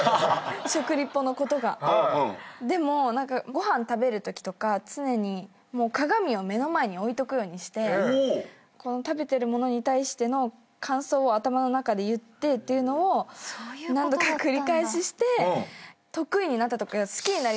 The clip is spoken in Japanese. ご飯食べるときとか常に鏡を目の前に置いとくようにして食べてるものに対しての感想を頭の中で言ってっていうのを何度か繰り返しして得意になった好きになりました。